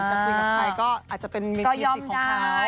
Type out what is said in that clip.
จะคุยกับใครก็อาจจะเป็นมิตรกิติของเขา